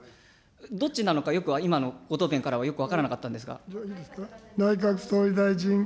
どっちなのかよく、今のご答弁からはよく分からなかったんですが。